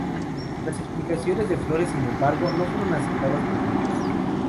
Las explicaciones de Flores, sin embargo, no fueron aceptadas por muchos.